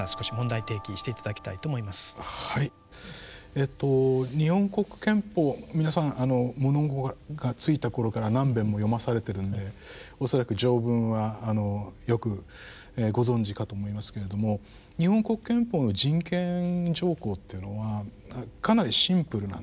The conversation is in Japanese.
えっと日本国憲法皆さん物心が付いたころから何べんも読まされてるんで恐らく条文はよくご存じかと思いますけれども日本国憲法の人権条項っていうのはかなりシンプルなんですね。